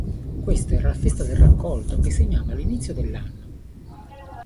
Questa era la festa del raccolto, che segnava l'inizio dell'anno.